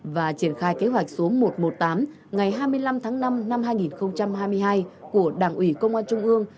và triển khai kế hoạch số một trăm một mươi tám ngày hai mươi năm tháng năm năm hai nghìn hai mươi hai của đảng ủy công an trung ương